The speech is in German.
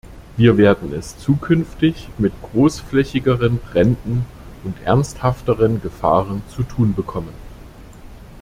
Wir werden es zukünftig mit großflächigeren Bränden und ernsthafteren Gefahren zu tun bekommen.